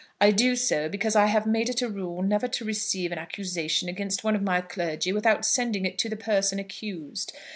I do so because I have made it a rule never to receive an accusation against one of my clergy without sending it to the person accused.